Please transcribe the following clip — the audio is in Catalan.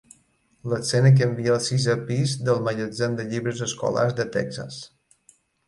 L'escena canvia al sisè pis del Magatzem de Llibres Escolars de Texas.